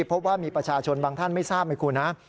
พบว่ามีประชาชนบางท่านไม่ทราบไหมคุณนะ